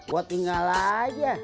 gue tinggal aja